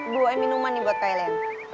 bu ada minuman nih buat kaelen